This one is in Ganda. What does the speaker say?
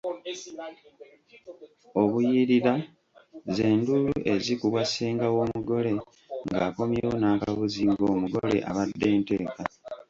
Obuyirira ze nduulu ezikubwa ssenga w’omugole nga akomyewo n’akabuzi ng’omugole abadde nteeka.